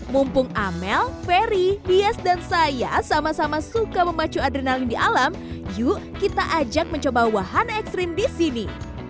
mumpung amel ferry dies dan saya sama sama suka memacu adrenalin di alam yuk kita ajak mencoba wahan ekstrim di sini